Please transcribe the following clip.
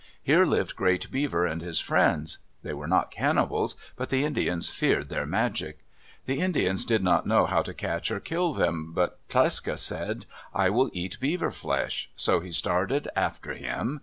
Here lived Great Beaver and his friends. They were not cannibals, but the Indians feared their magic. The Indians did not know how to catch or kill them, but Tlecsa said, "I will eat beaver flesh," so he started after him.